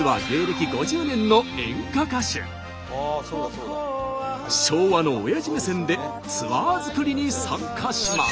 実は昭和のおやじ目線でツアー作りに参加します。